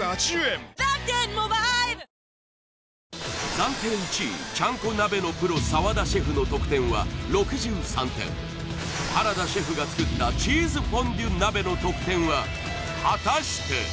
暫定１位ちゃんこ鍋のプロ澤田シェフの得点は６３点原田シェフが作ったチーズフォンデュ鍋の得点は果たして？